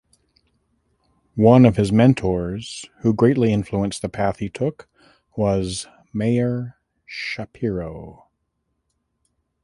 One of his mentors who greatly influenced the path he took was Meyer Schapiro.